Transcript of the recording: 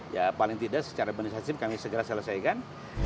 ya paling tidak secara berdasarkan sim kami segera selesaikan